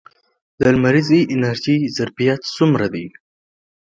د لمریزې انرژۍ ظرفیت څومره دی؟